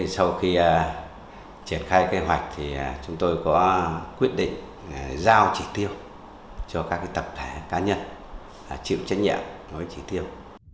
sau khi triển khai kế hoạch chúng tôi có quyết định giao chỉ tiêu cho các tập thể cá nhân chịu trách nhiệm với chỉ tiêu